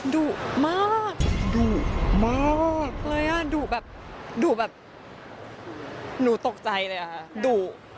ดุมากดุมากเลยอ่ะดุแบบดุแบบหนูตกใจเลยอะค่ะดุ